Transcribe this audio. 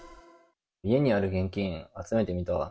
家にいる現金集めてみたわ。